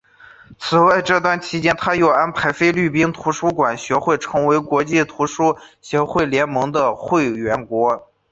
此外这段期间他又安排菲律宾图书馆学会成为国际图书馆协会联盟的会员国。